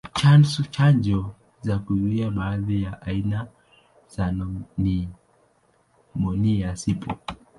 Chanjo za kuzuia baadhi ya aina za nimonia zipo.